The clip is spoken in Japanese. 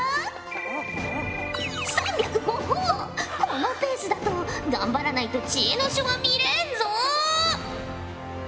このペースだと頑張らないと知恵の書は見れんぞ！